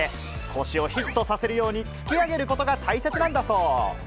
腰をヒットさせるように突き上げることが大切なんだそう。